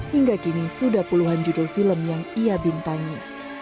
hingga kini sudah puluhan judul film yang ia bintangi